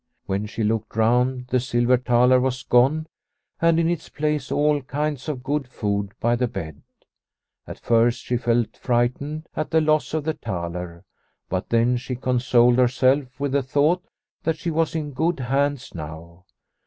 When she looked round, the silver thaler was gone, and in its place all kinds of good food by the bed. At first she felt frightened at the loss of the thaler, but then she consoled herself with the thought that she was in good hands now.